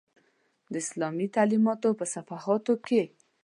د اسلامي تعلمیاتو په صفحاتو کې هم.